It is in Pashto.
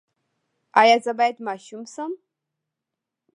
ایا زه باید ماشوم شم؟